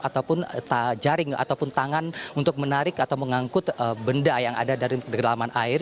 ataupun jaring ataupun tangan untuk menarik atau mengangkut benda yang ada dari kedalaman air